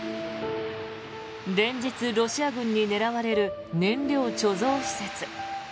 連日、ロシア軍に狙われる燃料貯蔵施設。